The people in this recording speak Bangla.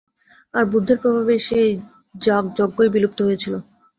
আর বুদ্ধের প্রভাবে সেই যাগযজ্ঞই বিলুপ্ত হয়েছিল।